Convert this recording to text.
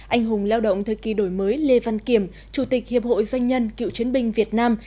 anh hùng lao động thời kỳ đổi mới lê văn kiểm chủ tịch hiệp hội doanh nhân cựu chiến binh việt nam